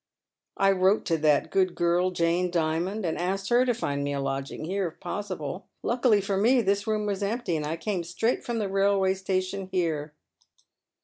" I wrote to that good girl, Jane Dimond, and asked her to find me a lodging, here if possible. Luckily for me this room was empty, and I came straight from the railway station here."